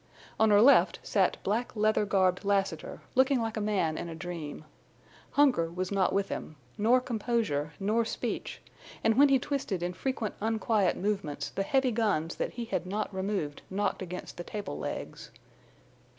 On her left sat black leather garbed Lassiter looking like a man in a dream. Hunger was not with him, nor composure, nor speech, and when he twisted in frequent unquiet movements the heavy guns that he had not removed knocked against the table legs.